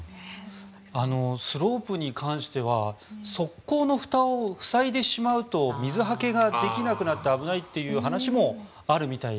スロープに関しては側溝のふたを塞いでしまうと水はけができなくなって危ないという話もあるみたいで。